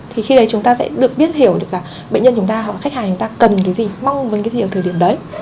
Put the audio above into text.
thì khi đấy chúng ta sẽ được biết hiểu được là bệnh nhân chúng ta hoặc là khách hàng chúng ta cần cái gì mong muốn cái gì ở thời điểm đấy